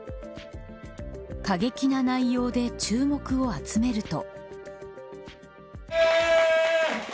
過激な内容で注目を集めると。